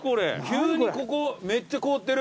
急にここめっちゃ凍ってる。